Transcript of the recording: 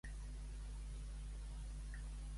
Segons ella, quan anava el noi amb la jove de la parella?